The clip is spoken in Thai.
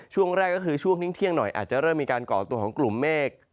ช่วงแรกก็คือช่วงนี้เที่ยงหน่อยอาจจะเริ่มมีการก่อตัวของกลุ่มเมฆ